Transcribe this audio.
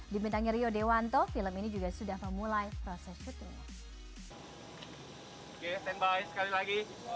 dimitangnya rio dewanto film ini juga sudah memulai proses syuting